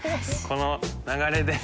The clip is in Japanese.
この流れで。